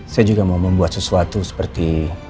saya juga mau membuat sesuatu seperti